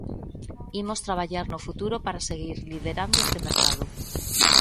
Imos traballar no futuro para seguir liderando este mercado.